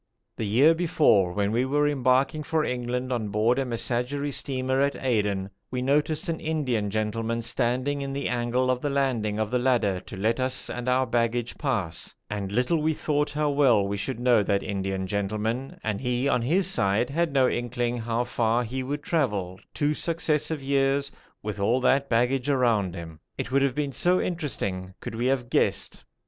The year before, when we were embarking for England on board a Messageries steamer at Aden, we noticed an Indian gentleman standing in the angle of the landing of the ladder to let us and our baggage pass, and little we thought how well we should know that Indian gentleman, and he on his side had no inkling how far he would travel, two successive years, with all that baggage around him; it would have been so interesting could we have guessed.